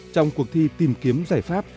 trong cuộc thi tìm kiếm giải pháp